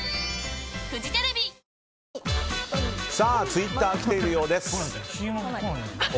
ツイッター、来ているようです。